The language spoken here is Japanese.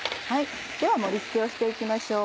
では盛り付けをしていきましょう。